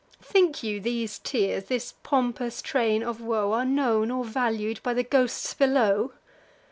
Think you these tears, this pompous train of woe, Are known or valued by the ghosts below?